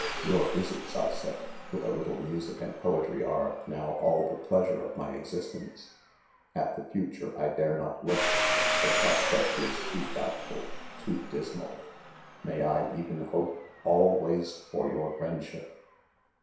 4 Your visits, I said, with a little music aird poetry, are, now all the pleasure'of my exis tence ! At the future I dare not look :— the prospect is too doubtful — too dismal. May I even hope, always*, for your friendship.